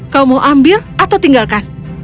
kau mau ambil atau tinggalkan